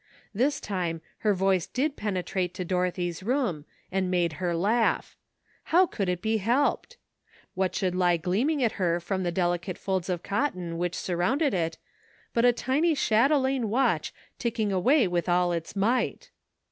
This time her voice did penetrate to Dorothy's room, and made her laugh. How could it be helped? What should lie gleaming at her from the delicate folds of cotton which surrounded it, but a tiny chatelaine watch ticking away with all its might